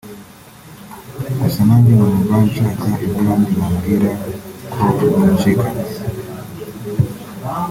Gusa nanjye numva nshaka ibyo abandi bambwira ko nacikanywe